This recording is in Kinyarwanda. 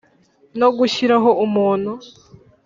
no gushyiraho umuntu